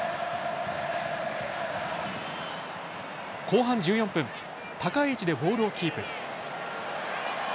後半１４分高い位置でボールをキープ。